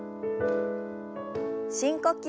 深呼吸。